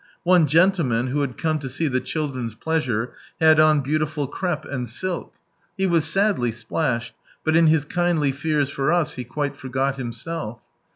One gentleman, who had come to see the children's pleasure, had on beautiful crepe and silk. He was sadly splashed, but, in his kindly fears for us, he quite forgot himself.